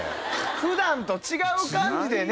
普段と違う感じでね